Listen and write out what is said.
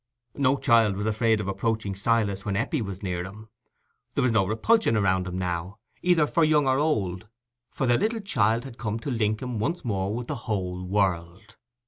No child was afraid of approaching Silas when Eppie was near him: there was no repulsion around him now, either for young or old; for the little child had come to link him once more with the whole world.